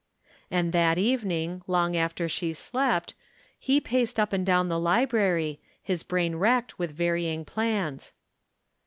And that evening, long after she slept, he paced up and down the library, his brain racked with varying plans.